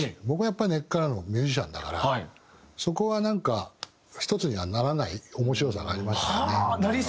僕はやっぱり根っからのミュージシャンだからそこはなんか一つにはならない面白さがありましたよね。